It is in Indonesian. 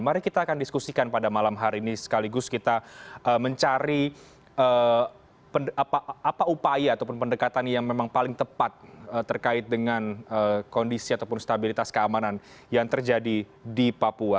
mari kita akan diskusikan pada malam hari ini sekaligus kita mencari apa upaya ataupun pendekatan yang memang paling tepat terkait dengan kondisi ataupun stabilitas keamanan yang terjadi di papua